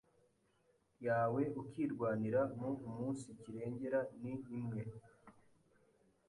yawe ukirwanira mu umunsikirengera ni imwe